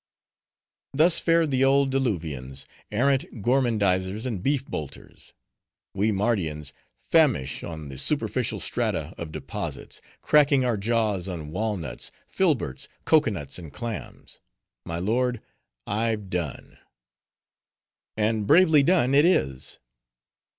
"Thus fared the old diluvians: arrant gormandizers and beef bolters. We Mardians famish on the superficial strata of deposits; cracking our jaws on walnuts, filberts, cocoa nuts, and clams. My lord, I've done." "And bravely done it is.